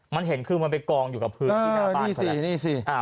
มันเห็นคือมันไปกองอยู่กับพืชที่หน้าบ้านเขาแล้ว